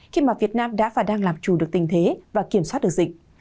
khi mà việt nam đã và đang làm chủ được tình thế và kiểm soát được dịch